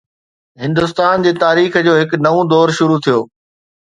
هندستان جي تاريخ جو هڪ نئون دور شروع ٿيو